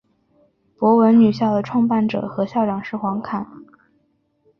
博文女校的创办者和校长是黄侃。